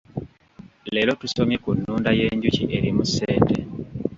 Leero tusomye ku nnunda y’enjuki erimu ssente.